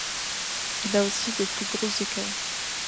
Il a aussi de plus grosses écailles.